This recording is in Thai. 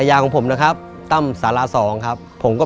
รายการต่อไปนี้เป็นรายการทั่วไปสามารถรับชมได้ทุกวัย